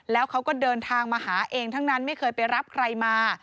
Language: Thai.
แล้วเขาก็เดินทางมาหาเองทั้งนั้นไม่เคยไปรับใครมา